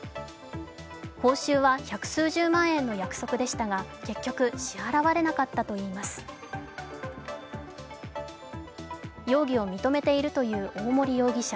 報酬は百数十万円の約束でしたが結局、支払われなかったといいます容疑を認めているという大森容疑者。